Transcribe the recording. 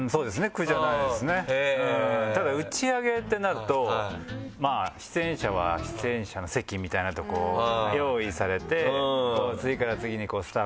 ただ打ち上げってなるとまぁ出演者は出演者の席みたいなとこを用意されて。